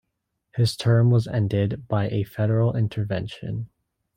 His term was ended by a federal intervention.